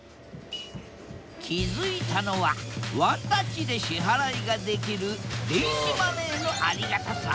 気付いたのはワンタッチで支払いができる電子マネーのありがたさ